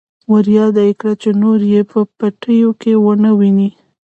ورياده يې کړه چې نور يې په پټيو کې ونه ويني.